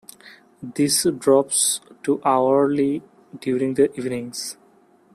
This drops to hourly during the evenings.